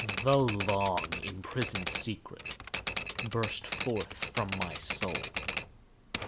The long imprisoned secret burst forth from my soul.